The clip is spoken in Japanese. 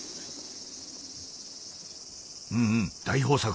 うんうん大豊作。